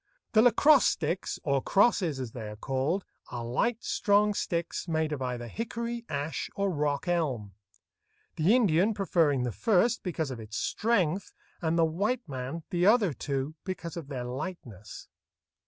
The lacrosse sticks, or crosses as they are called, are light, strong sticks, made of either hickory, ash, or rock elm; the Indian preferring the first because of its strength, and the white man the other two because of their lightness.